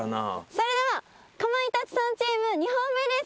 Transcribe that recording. それではかまいたちさんチーム２本目です。